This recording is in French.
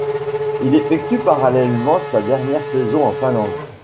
Il effectue parallèlement sa dernière saison en Finlande.